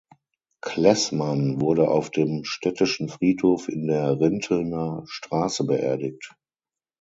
Kleßmann wurde auf dem Städtischen Friedhof in der Rintelner Straße beerdigt.